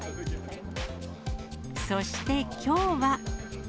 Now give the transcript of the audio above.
そしてきょうは。